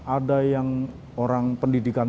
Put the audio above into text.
ada yang orang pendidikan